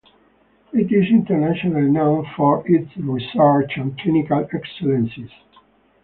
It is internationally known for its research and clinical excellence.